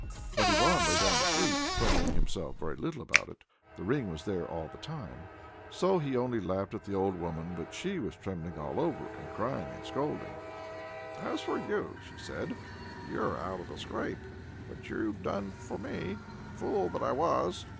But Ivan lay down to sleep, troubling himself very little about it. The ring was there all the time. So he only laughed at the old woman, but she was trembling all over, and crying, and scolding him. "As for you," she said, "you're out of the scrape; but you've done for me, fool that I was!"